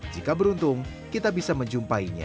jika beruntung kita bisa menjumpainya